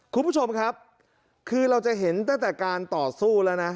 คุณผู้ชมครับคือเราจะเห็นตั้งแต่การต่อสู้แล้วนะ